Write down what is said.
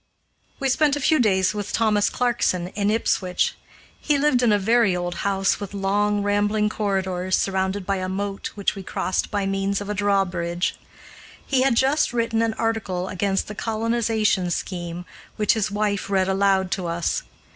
We spent a few days with Thomas Clarkson, in Ipswich. He lived in a very old house with long rambling corridors, surrounded by a moat, which we crossed' by means of a drawbridge. He had just written an article against the colonization scheme, which his wife read aloud to us.